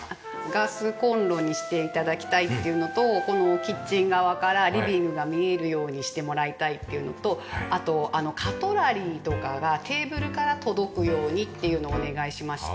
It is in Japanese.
ガスコンロにして頂きたいっていうのとこのキッチン側からリビングが見えるようにしてもらいたいっていうのとあとカトラリーとかがテーブルから届くようにっていうのをお願いしまして。